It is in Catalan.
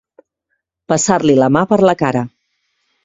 Passar-li la mà per la cara.